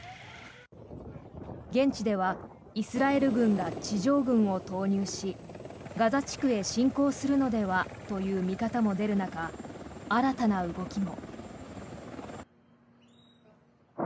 現地ではイスラエル軍が地上軍を投入しガザ地区へ侵攻するのではという見方も出る中新たな動きも。